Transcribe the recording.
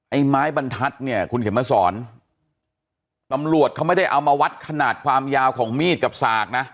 ไม้บรรทัศน์เนี่ยคุณเข็มมาสอนตำรวจเขาไม่ได้เอามาวัดขนาดความยาวของมีดกับสากนะ